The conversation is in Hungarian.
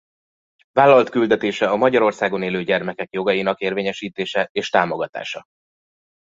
Vállalt küldetése a Magyarországon élő gyermekek jogainak érvényesítése és támogatása.